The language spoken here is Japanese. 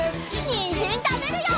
にんじんたべるよ！